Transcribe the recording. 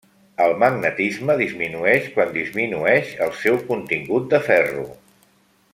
El magnetisme disminueix quan disminueix el seu contingut de ferro.